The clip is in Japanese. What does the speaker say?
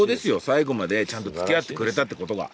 最後までちゃんと付き合ってくれたって事が。